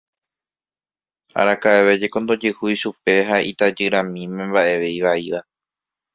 Araka'eve jeko ndojehúi chupe ha itajyramíme mba'eve ivaíva.